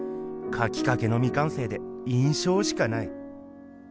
「かきかけのみかんせいで印象しかない」。